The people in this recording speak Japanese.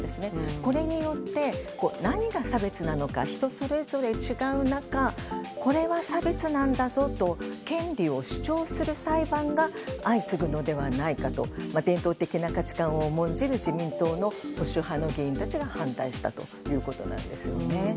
これによって、何が差別なのか人それぞれ違う中これは差別なんだぞと権利を主張する裁判が相次ぐのではないかと伝統的な価値観を重んじる自民党の保守派の議員たちが反対したということなんですよね。